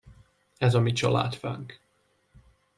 Ez a mi családfánk!